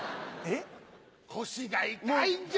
腰が痛いんじゃ！